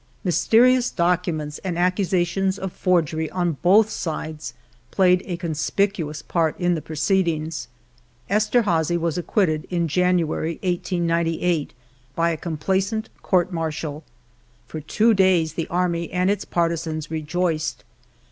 Mysterious documents and accusations of forgery on both sides played a conspicuous part in the proceedings. Esterhazy was acquitted in January, 1898, by a complaisant court martial. For two days the army and its partisans rejoiced.